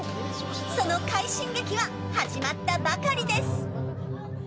その快進撃は始まったばかりです。